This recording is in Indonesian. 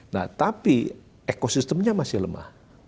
nah tapi ekosistemnya masih lemah